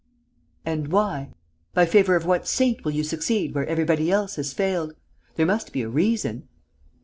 "And why? By favour of what saint will you succeed where everybody else has failed? There must be a reason?"